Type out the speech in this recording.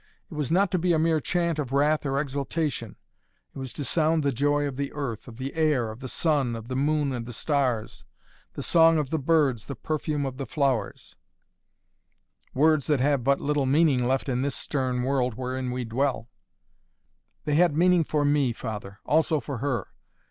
It was not to be a mere chant of wrath or exultation it was to sound the joy of the earth, of the air, of the sun, of the moon and the stars, the song of the birds, the perfume of the flowers " "Words that have but little meaning left in this stern world wherein we dwell " "They had meaning for me, father. Also for her.